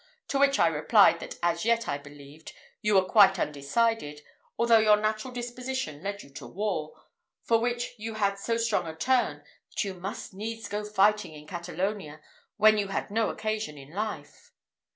To which I replied, that as yet, I believed, you were quite undecided, although your natural disposition led you to war, for which you had so strong a turn, that you must needs go fighting in Catalonia, when you had no occasion in life.